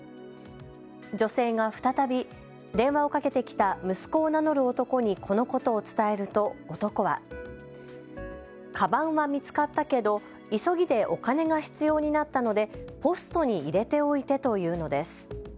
女性が再び、電話をかけてきた息子を名乗る男にこのことを伝えると、男はかばんは見つかったけど急ぎでお金が必要になったのでポストに入れておいてというのです。